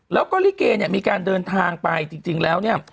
แล้วก็ลิเกมีการเดินทางไปจริงแล้ว